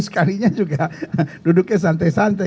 sekalinya juga duduknya santai santai